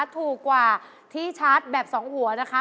ถูกกว่าที่ชาร์จแบบสองหัวนะคะ